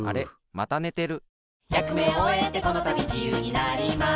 またねてる。